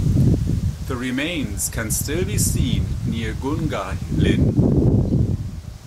The remains can still be seen near Gungahlin.